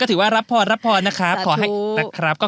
ก็ถือว่ารับพรรับพรนะครับสาธุ